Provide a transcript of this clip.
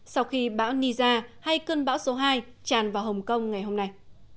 sau khi bão nisa hay cơn bão số hai tràn vào hồng kông ngày hôm nay